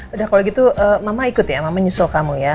udah kalau gitu mama ikut ya mama menyusul kamu ya